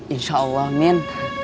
insya allah min